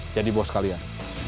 jadi bos kalian